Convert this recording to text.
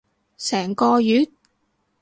成個月？